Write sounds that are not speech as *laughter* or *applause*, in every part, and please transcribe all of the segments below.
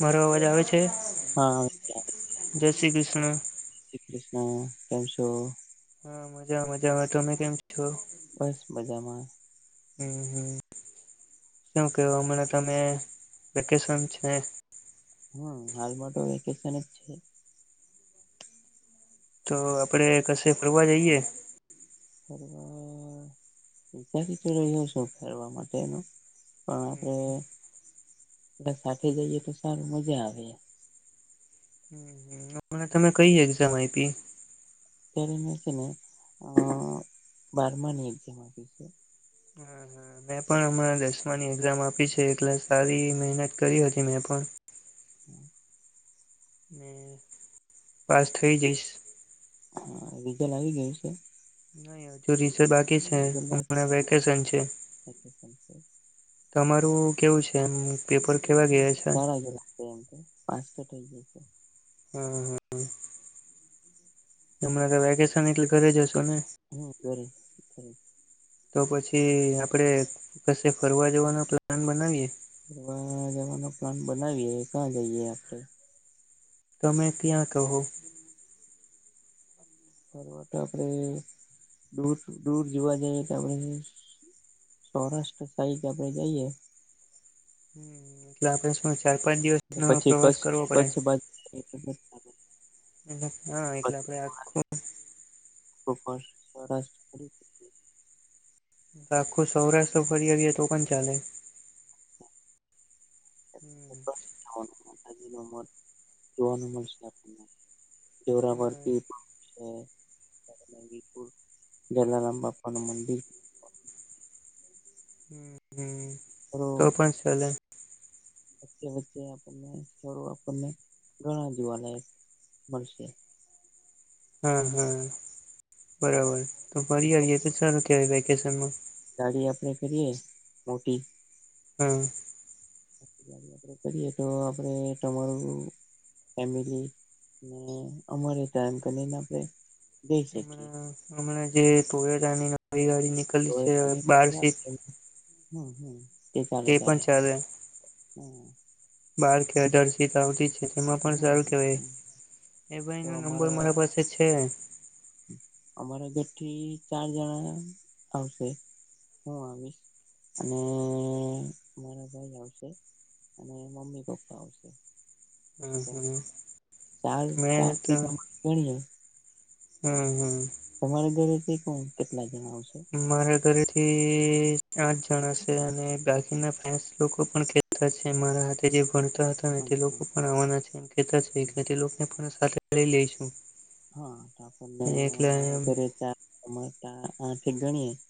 મારો અવાજ આવે છે? હા! જય શ્રી કૃષ્ણ! શ્રી કૃષ્ણ. કેમ છો? હા મજા મજા આવે. તમે કેમ છો? બસ મજામાં. હમ હમ! શું કેવું હમણાં? તમે વેકેશન છે. હમ હાલમાં તો વેકેશન જ છે. તો આપણે કશે ફરવા જઈએ. *inaudible* વિકાસ તો રહ્યો છો. ફેરવા માટેનું પણ આપડ. એલે સાથે જઈએ તો, સારું મજા આવે. *inaudible* હ, તમે કઈ એક્ઝામ આયપી? અત્યારે મે છે ને, અ બારમાની એઝામ આપી છે. હા, હા, મેં પણ હમણાં દસમાની એક્ઝામ આપી છે, એટલે સારી મહેનત કરી હતી મેં પણ *inaudible* હ, પાસ થઈ જઈશ. હા, રીઝલ આવી ગયું છે. નઈ, હજુ રીઝલ બાકી છે, રિઝલ્ટ બાકી હમણાં છે વેકેશન છે. વેકેશન છે. તમારું કેવું છે? એમ પેપર કેવા ગયા છે? સેમ, તો પાસ ત થઈ જાય છે. હ, હ હમણાં ત વેકેશન એટલે ઘરે હશો ને? હ, ધરે છે. તો પછી, આપડે કશે ફરવા જવાનો પ્લાન બનાવીએ? ફરવા જવાનો પ્લાન બનાવીએ, કા જઈએ આપડે? તમે કયાં કહો? ફરવા તો આપડે દૂર- દૂર જોવા જઈએ તો આપડે. સૌરાષ્ટ્ર સાઈટ આપડે જઈએ. હમ, રાફરસમા ચાર- પાંચ દિવસ પછી કસ કચ્છ બા હ, એટલે આપડે આખું કોપસ ચોરસ હારુ આખું સૌરાષ્ટ્ર ફરી આવીએ તો પણ ચાલે. માતા જીનો મથ જોવાનુ મલશે આપુને જોરાવરપીર શે, વિરપુર, જલારામ બાપાનું મંદિર હમ, સ્થળો તો પણ ચાલે વચ્ચે- વચ્ચે આપણને સ્થળો આપણને ઘણા જોવાલાયક મળશે. હ, હ, બરાબર, તો ફરી આવીએે તો સારું કેવાય વેકેશનમાં. ગાડી આપડે કરીએ, મોટી હમ, ગાડી આપડે કરીએ તો, આપડે તમારું ફેમિલી, ને અમારેતા એમકરને આપણે જઈ શકીએ. હમણા જે ટોયોટાની નવી ગાડી નીકળલી હવે છે, તમે બાર સીટ હમ, હમ, તે પણ ચાલે, હમ બાર કે આઠાર સીટ આવતી છે. એમાં પણ હમ સારું કેવાય, હમ એ ભાઈ તો નો નંબર અમારા મારા પાસે છે. અમારા ઘર થી ચાર જણા આવશે. હું આવીશ, અને મારા ભાઈ આવશે. અને મમ્મી- પપ્પા આવશે. હમ હમ ચાર- મેં ચાર તો સીટ આમા ઞણીએ હમ, હમ, તમારા ઘરેથી કોણ? કેટલા જણા આવશે? મારા ઘરેથી આઠ જણા છે, અને બાકીના ફેન્ડસ લોકો પણ કેતા છે, મારા હાથે જે ભણતા હતા હ, હમ તે હમ લોકો પણ આવાના છે એમ કેતા છે, હમ. એટલે તેલોક ને પણ સાથે લઈ લઈશું. હા, આપણને એટલે અમારા ઘરે ચાર ને આઠ એક ગણીએે,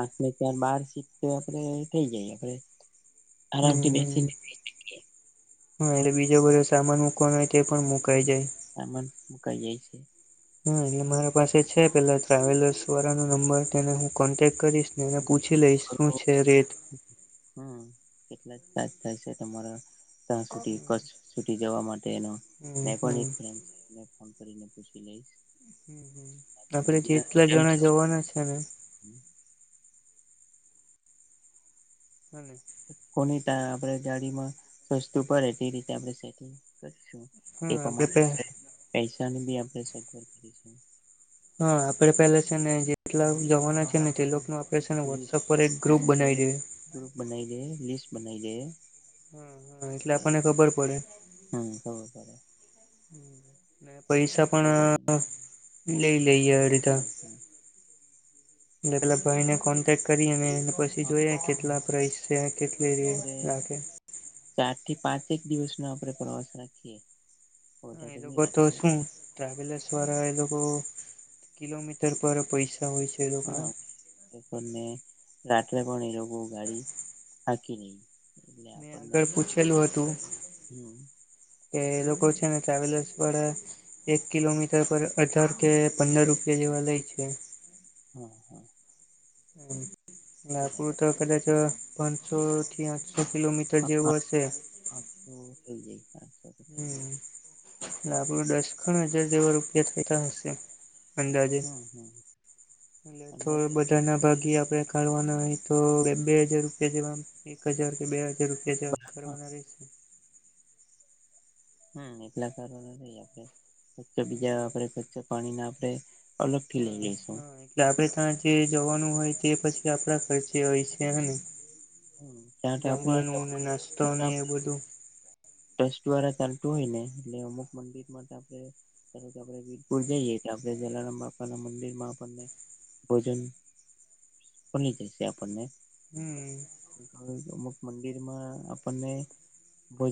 આઠ ને ચાર બાર સીટ તો આપણે થઇ જાય આપણેે. હમ હમ હા એટલે બીજો બધ સામાન. હોય તે પણ મુકાઈ જાય. સામન હું કહીય છ. હા એટલે મારા પાસે છે પેલા ટ્રાવેલર્સ વાળા ન નંબર તેને હું કોન્ટેક્ટ કરીશ. ને પૂછી લઈશ શું છે રેટ. હમ. કેટલા ચાર્જ થાય છે તમારા ત્યાં સુ હમ સુી જવા માટે એનો. મેં પણ હમ એક ફન્ ફોન કરીને પૂછી લઈશ. હમ આપણને આપડે જેટલા જણા જવાના છે ને. હમ. હ. કોની ત આપણે ગાડીમાં સસ્તું પે તે રીતે આપણેશું. એ હા પ્રમાણે આપડે આપણે પૈસાની બી આપણે સગવડ કરીશું. હા આપડે પેલા છે ને જેટલા જવાના છે ને તેનું ને લિસ્ટ વોટસઅપ પર એક ગ્રુપ બનાવી દેએ. ગ્રુપ બનાઈ દે લિસ્ટ બનાઈ દે. હમ હા એટલે આપણને બરાબર ખબર પડે. હમ ખબ પે. પૈસા પણ લઈ લઈએ રી. હમ હમ. એટલા ભાઈ ને કોન્ટેક્ટ કરી અને એને પછી જોયા કેટલા પ્રઇસ. સ કેટલી રહીએ લ કે. ચાર થી પાંચેક દિવસનોો આપડે પ્રવાસ રાખીએ. હ એ વધારે તો નહી કરતો હો રાખીએ શું. ટ્રાવેલર્સ વાળા એ લોકો કિલોમીટર પર પૈસા હોય છે. એ હા લોકોના પણ મેં રાત્રે પણ એ લોકો ગાડી હાકી નઈ. મેં આગળ પૂછેલું હતું. હમ કે એ લોકો છે ને ટ્રાવેલર્સ પર. એક કિલોમીટર પર હઢાર કે પંદર રૂપિયા જેવા લે છે. હ હા. હમ લપુર બરાબર તો છે કદાચ પાંચસો થી આઠો. કિલોમીટર જેવું હશે. હા તો થઈ જાય. હમ લાકડું દસ ખણ હજાર જેવા રૂપિયા થતા હશે. અંદાજે હમ હમ એટ થોડ અંદાજે બધા ના ભાગી આપડે. કરવાના હોય તો બે હાજાર રૂપિયા જેવા એક હજાર કે બે હાજાર રૂપિયા જેવા હા કરવાના રહે.. હમ એટલા સારો આપેચ્ચ હમ બીજાે કચ્ચ પાણી ના આપડે. અલગ ફઢીલ હા લીસ હા એટલે આપડે ત્યાં જે જવાનું હોય તે પછી આપણા ખર્ચે હોય છે હને હમ ત્યાં તો આપડે જમવાનું ને નસ્તો ને એ બધું. ટ્રસ્ટ દ્વારા ચાલતું હોય ને એટલે અમુક મંદિર માટે આપણે. વીરપુર જઈએ આપણે જલારામ બાપના મંદિર માં આપણને ભોજન. ફની જ છે આપણને. હમ. અમુક મંદિરમાં આપણને.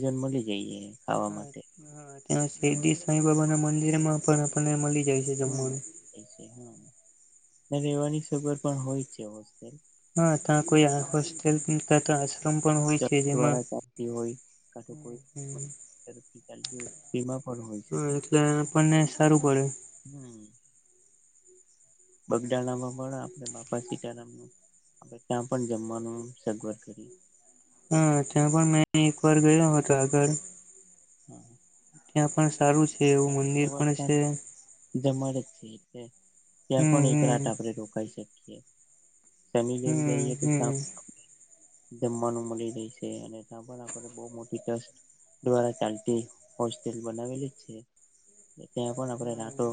જન્મ લઈ જઈએ. ખાવા હા માટે હા ત્યાં શેરડી સાંઈ બાબા ના મંદિર માં પણ આપને મળી જાય. છે હ જમવાનું રહેેવાની સગર પણ હોય છે હોેલ. હા ત કોઈ હોસ્ટલ ક તો. પણ હોય છે જેમાં દ્વારા ચાલતી હોય કોઈ તફથી ચાલતી હોય તેમાં પણ હોય. હા એટલે આપણને સારું પડે હમ બગદાણા મળા આપડે બાપા સીતારામ નું. આપ ત્યાં પણ જમવાનું સગવડ કરી. હા ત્યાં પણ મેં એક વાર ગયો હતો આગળ. હા. ત્યાં પણ સારું છે એવું મંદિર પણ છે. જમાળે જ છે એટલે ત્યાં હમ પણ એક હમ રાત આપણે રોકાઈ શકીએ. જમી ને હમ જ‌ઇએ તો શ. હમ જમવાનું મળી રહી છે અને ત્યાં પણ આપને બહુ મોટી ટ્રસ્ટ. દ્વારા ચાલતી હોસ્ટેલ બનાવેલી છે. ત્યાં પણ આપણે રાતો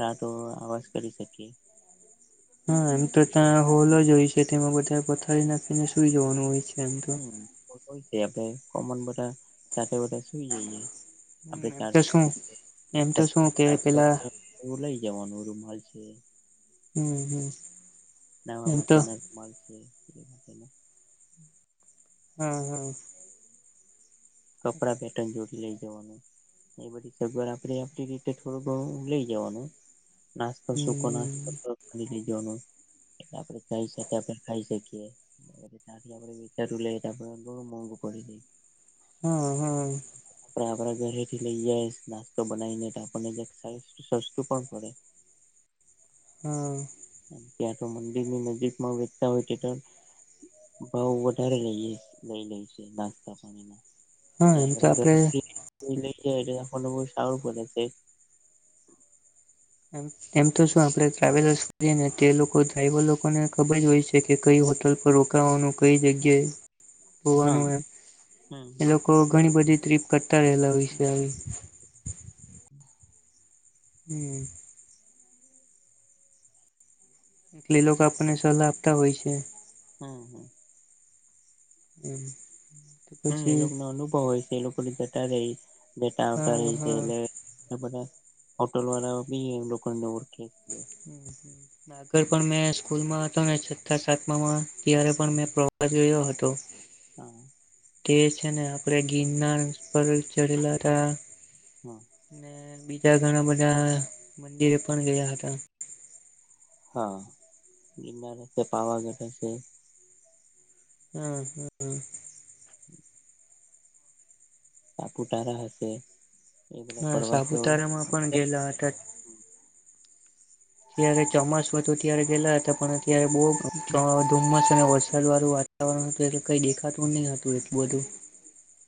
રાતો આવાશ કરી શકીએ. હા એમ તો ત્યાં હોલ જ હોય છે તેમાં બધા પથારી નાખીને સુઈ જવાનું હોય છે. એમ તો આપણે કોમન બધા સાથે બધા સુઈ જઈએ. આપણે એમ તો શું એમ તો શું કે ચારસોારસો પેલા *inaudible* એવું લઇ જવાનું રૂમાલ છે. હમ હમ. નાવા એમ તો માટે ના રુમાલ છે એ માટે. હા હા. કપડા પેટર્ન જોડી લે. એ બઘી સગવડ આપે આપડી રીતે થોડું ઘણું લઈ જવાનું. નાસ્તો સુકો નાસ્તો. હમ લ‌ઇ જોવાનું એટ આપડે ખાઈ શ પણ ખાઈ શકીએ. તથી આપે વિચાતુ લ‌ઇ આપણે બ‌ઉ મોંગું પડી જાય. હા હા. આપણે આપણા ઘરેથી લઈએ નાસ્તો બનાવીને આપણને સસ્તું પણ પડે. હા. ત્યાં તો મંદિર ની નજીક માં વેચતા હોય તે તો. ભાવ વધારે લઈ લઈ લઈ છે નાસ્તા પાણીના. હા એમ તો આપણે આપડે ઘરેથી લઈ જઈએ સારું પડે છે. એમ તો શું આપણે ટ્રાવેલર્સ કરીએ ને તે લોકો ડ્રાઈવર લોકો ને ખબર હોય છે. જે કે કઈ હોટલ પર રોકવાનું કઈ જગ્યાએ. *unintelligible* હોવાનું એમ હમ એ હમ લોકો ઘણી બધી ટ્રીપ કરતા રહેલા હોય છે આવી. હું. એટલે લોકો આપણને સલાહ આપતા હોય છે. હમ હમ. હમ! *unintelligible* હા એ લોક નો અનુભવ હોય છે એ લોક *inaudible* ને જતા આવતા રહે હા છે. હા ને બઘયે હોટેલ વાળા ભી એ લોકોને ઓળખે. આગળ પણ મેં સ્કૂલમાં હતો ને છથા સાતમામાં. ત્યારે પણ મેં પ્રવાસ જયો હતો. હમ *unintelligible* તે છે ને આપડે ગિરનાર પર ચડેલા હતા હમ બીજા ઘણા બધા મંદિરે પણ ગયા હતા હા ગિન *inaudible* ર હશે પાવાગઢ હશે હમ હમ. *unintelligible* સાપુતારા હશે. એ બધા હા પ્રવાસો સાપુતારામાં પણ ગેલા હતા. અ્યારે ચોમાસુંુ ત્યારે ગયેલા હતા પણ અત્યારે બહ ધુમ્મસ અને વરસાદ વાળું વાતાવરણ હત એ કઈ દેખાતું નહી હતું એટલું બધું.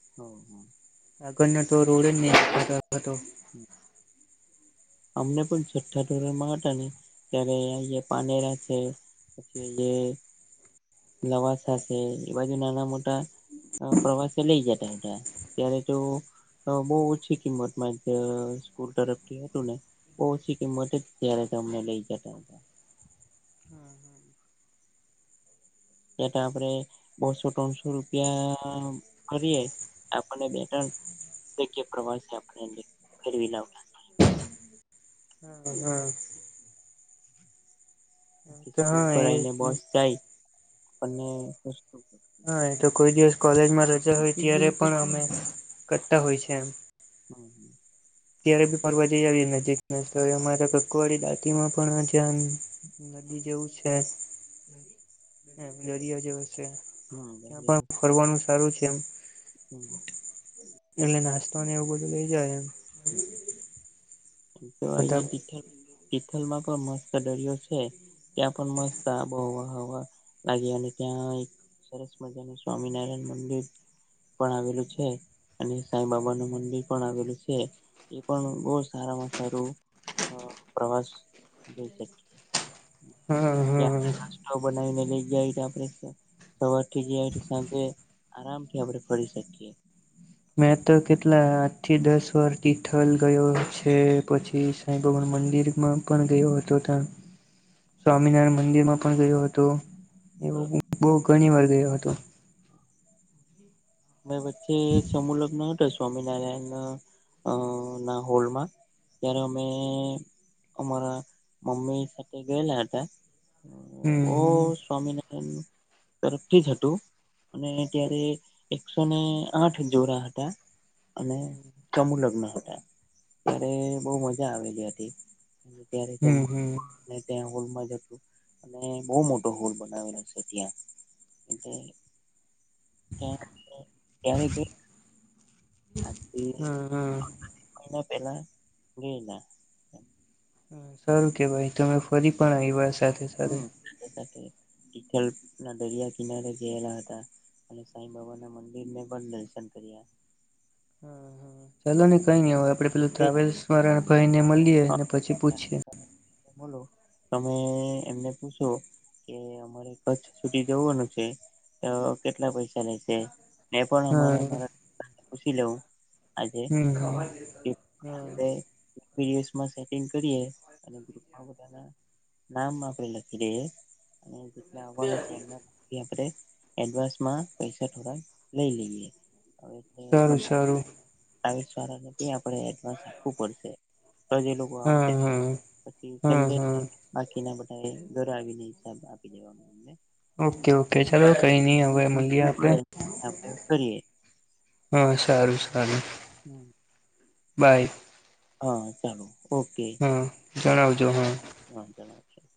*inaudible* આગળ તો રોડ જ ન હતો. *inaudible* અમને પણ છઠ્ઠા ધોરણમાં હતા ને, ત્યારે અહંયા પાનેરા છે. પછી જે. લવાસાશે એ બાજુ નાના મોટા. પ્રવાસે લઇ જતાા હતા. ત્યારે તો. બહુ ઓછી કિંમત માં સ્કૂલ તરફથી હતું ને. ઓછી કિંમતે ત્યારે અમને લઇ જતા હતા. ત તો આપડે બસો ત્રણસો રૂપિયા કરીયએ. આપને બે ત્રણ પ્રવાસે આપ ફવી લાવતા. હા હા! સ્ તો પૂર હા ભરાઈને એ બસ જાય. આપણને હા! એ તો કોઈ દિવસ કોલેજમાં રજા હોય, ત્યારે પણ અમે કરતા હોય છે એમ. *inaudible* ત્યારે બી ફરવા જઈ આવીએ. નજીક તો અમારા કકવાળી દાટી માં પણ જ્યા. નદી જેવું છે. દરિયો જેવો છે. ત્યાં હમ પણ ફરવાનું સારું છે એમ. હમ એટલે નાસ્તો એવું બધું લઇ જાય એમ. એ તો બધા આયા ઠીકઠાક. થીથલ માં પણ મસ્ત દરિયો છે. ત્યાં પણ મસ્ત આ ભોવા હવા લાગે. અને ત્યાં એક. સરસ મજાનું સ્વામિનારાયણ મંદિર. પણ આવેલું છે. અને સાંઈ બાબા નું મંદિર પણ આવેલું છે. એ પણ બહુ સારામાં સારું પ્રવાસ જોઈ શકીએ. હમ ત્યાં આપણે હમ! નાસ્તો બનાવીને લઈ જાય. આપે સવાર થી જયા સાંજે. આરામ થી આપડે ફરી શકીએ. મેં તો કેટલા આઠ થી દસ વર તિથલ ગયો છે. પછી ત ભગવાન મંદિર માં પણ ગયો હતો ત્યાં. *inaudible* સ્વામિનારાયણ મંદિરમાં પણ ગયો હતો. એવ અ બહ ઘણી વાર ગયો હતો. મેં વચ્ચે એક સમૂહ લગ્ન હતો શ. સ્વામિનારાયણ ના હોલમાં, ત્યારે અમે. અમારા મમ્મી સાથે ગયેલા હતા. બહ હમ સ્વામિનારાયણ તરફથી જ હતું અને ત્યારે. એકસોને આઠ જોરા હતા અને ચમુલગ્ન હતા. ત્યારે બહુ મજા આવેલી હતી. અને ત્યારે હમ હમ અને ત્યાં હોલમાં જતું. અને બહુ મોટો હોલ બનાવેલો છે ત્યાં. એ ત્યારે. આથી હા હા મહિના પેલા ગે ના સારું કે ભાઈ. તમે ફરી પણ અવાર સાથે. સાથે હમ સાથે સાથે થીથલ ના દરિયા કિનારે ગયેલા હતા. અને સાંઈ બાબા ના મંદિર ને પણ દર્શન કર્યા. હા હા! ચાલો ને કઈ ન. હવે આપડે પેલું ટ્રાવેલ્સ વાળા ભાઈ ને મળીએ ને પછી પૂછીએ. બોલો તમે એમને પૂછો. કે અમારે કચ્છ સુધી જવાનું છે તો કેટલા પૈસા લેશે. એ પણ હા અમારે અમારા પુછી લેવું. આજે હમ હા આપડે. સેટિંગ કરી અને ગ્રુપ માં બધાને. નામ આપડે લખી દઈએ અને જેટલા આવવાના છે એમ. આપણે એડવાન્સ માં પૈસા થોડા લઈ લઈએ હવે. સારું સારું ટ્રાવેલ્સ વાળાને ત્યાં આપણે એડવાન્સ આપવું પડશે. તો જે લોકો હા આવશે નહી હા પછી હા છેલ્લે. હા બાકી ના બધા એ ઘરે આવીને હિસાબ આપી દેવાનો એમને. ઓકે ઓકે ચાલો કઈ નહી હવે મળીએ સસ્તું પડે આપણે. આપણે કરીએ હા સારું સારું. હમ. બાય. હા ચાલો. હા જણાવજો હા. હ જણાવશું.